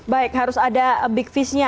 baik harus ada big fish nya